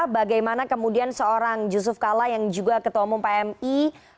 bagaimana kemudian seorang yusuf kala yang juga ketua umum pmi